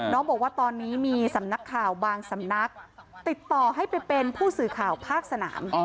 บอกว่าตอนนี้มีสำนักข่าวบางสำนักติดต่อให้ไปเป็นผู้สื่อข่าวภาคสนาม